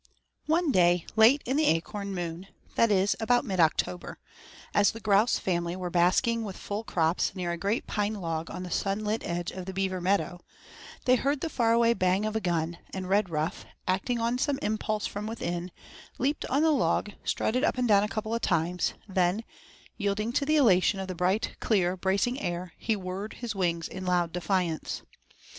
IV One day late in the Acorn Moon, that is, about mid October, as the grouse family were basking with full crops near a great pine log on the sunlit edge of the beaver meadow, they heard the far away bang of a gun, and Redruff, acting on some impulse from within, leaped on the log, strutted up and down a couple of times, then, yielding to the elation of the bright, clear, bracing air, he whirred his wings in loud defiance.